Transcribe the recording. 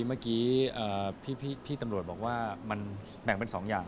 เมื่อกี้พี่ตำรวจบอกว่ามันแบ่งเป็น๒อย่าง